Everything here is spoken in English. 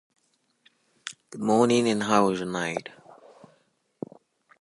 Number represents his total number of regular season victories.